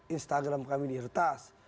instagram kami diretas